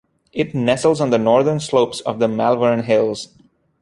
It nestles on the northern slopes of the Malvern Hills.